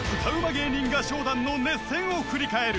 芸人合唱団の熱戦を振り返る］